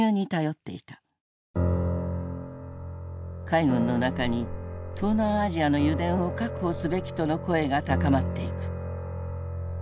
海軍の中に東南アジアの油田を確保すべきとの声が高まっていく。